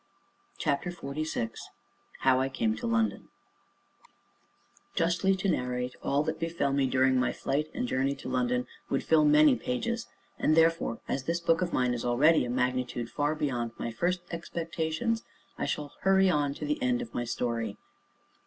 CHAPTER XLVI HOW I CAME TO LONDON Justly to narrate all that befell me during my flight and journey to London, would fill many pages, and therefore, as this book of mine is already of a magnitude far beyond my first expectations, I shall hurry on to the end of my story.